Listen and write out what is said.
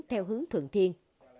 theo hướng thường thiên